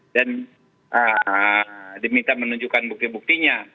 dan diminta menunjukkan bukti buktinya